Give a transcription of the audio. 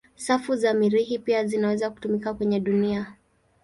Safu za Mirihi pia zinaweza kutumika kwenye dunia.